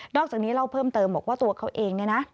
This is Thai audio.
อกจากนี้เล่าเพิ่มเติมบอกว่าตัวเขาเองเนี่ยนะ